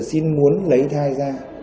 xin muốn lấy thai ra